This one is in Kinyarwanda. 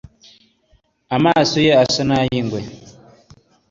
Amaso ye asa n'ay'ingwe.